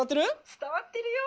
「伝わってるよ。